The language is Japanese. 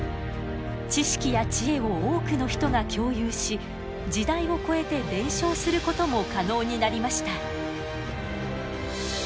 知識や知恵を多くの人が共有し時代を超えて伝承することも可能になりました。